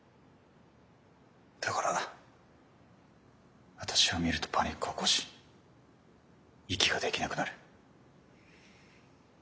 だから私を見るとパニックを起こし息ができなくなる。